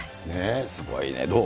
すごいね、どう？